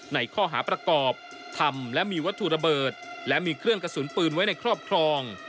ในข้อหาประกอบทำและมีวัตถุระเบิดและมีเครื่องกระสุนปืนไว้ในครอบครอง